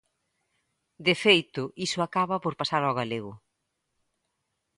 De feito, iso acaba por pasar ao galego.